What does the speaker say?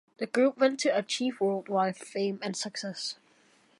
The group went to achieve world wide fame and success.